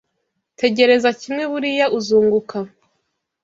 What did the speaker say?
Tegereza kimwe buriya uzunguka